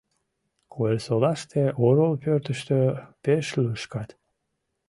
Куэрсолаште орол пӧртыштӧ пеш лӱшкат.